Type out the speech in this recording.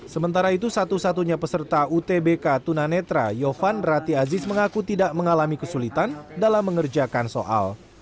sementara itu satu satunya peserta utbk tunanetra yofan rati aziz mengaku tidak mengalami kesulitan dalam mengerjakan soal